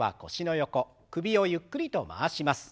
首をゆっくりと回します。